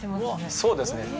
そうですね